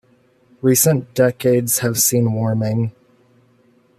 Recent decades have seen warming.